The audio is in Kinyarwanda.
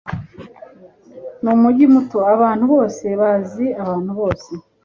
Numujyi muto. Abantu bose bazi abantu bose.